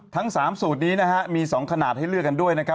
ทั้ง๓สูตรนี้นะฮะมี๒ขนาดให้เลือกกันด้วยนะครับ